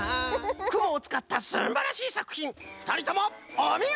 くもをつかったすばらしいさくひんふたりともおみごとじゃ！